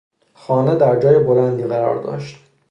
خانه در جای بلندی قرار داشت.